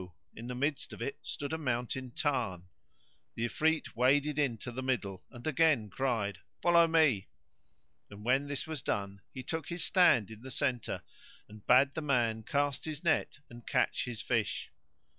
in the midst of it stood a mountain tarn. The Ifrit waded in to the middle and again cried, "Follow me;" and when this was done he took his stand in the centre and bade the man cast his net and catch his fish.